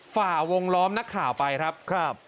ฝ่าวงล้อมนักข่าวไปครับ